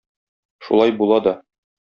Шулай була да.